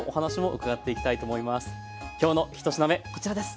今日の１品目こちらです。